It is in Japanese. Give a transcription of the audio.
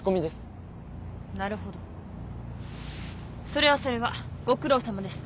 それはそれはご苦労さまです。